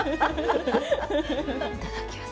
いただきます。